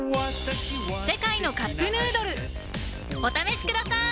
「世界のカップヌードル」お試しください！